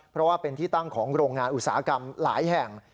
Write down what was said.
เพราะว่าเป็นที่ตั้งของโรงงานอุตสาหกรรมหลายแห่ง